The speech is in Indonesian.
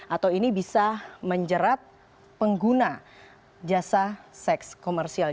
atau ini bisa menjerat pengguna jasa seks komersial